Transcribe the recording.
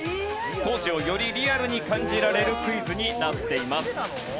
当時をよりリアルに感じられるクイズになっています。